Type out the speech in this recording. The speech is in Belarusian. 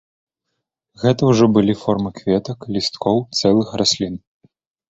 Гэта ўжо былі формы кветак, лісткоў, цэлых раслін.